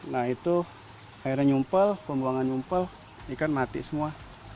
nah itu airnya nyumpel pembuangan nyumpel ikan mati semua